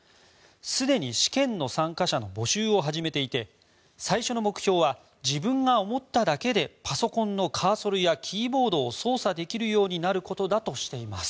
すでに試験の参加者の募集を始めていて最初の目標は自分が思っただけでパソコンのカーソルやキーボードを操作できるようになることだとしています。